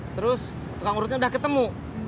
terus tukang urutnya udah ketemu